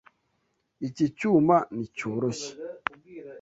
Iki cyuma nticyoroshye.